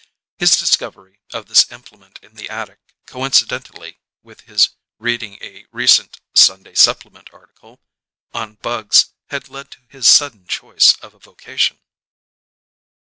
(His discovery of this implement in the attic, coincidentally with his reading a recent "Sunday Supplement" article on bugs, had led to his sudden choice of a vocation.)